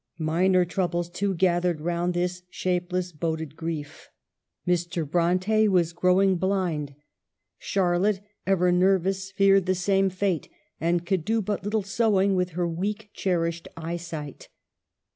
Minor troubles, too, gathered round this shapeless boded grief : Mr. Bronte was growing blind ; Charlotte, ever ner vous, feared the same fate, and could do but little sewing with her weak, cherished eyesight.